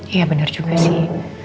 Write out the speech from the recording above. iya benar juga sih